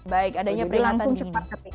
baik adanya peringatan dini